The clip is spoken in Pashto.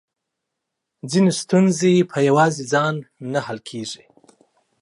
ځينې ستونزې په يواځې ځان نه حل کېږي .